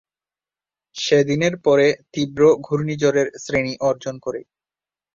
সেদিনের পরে তীব্র ঘূর্ণিঝড়ের শ্রেণি অর্জন করে।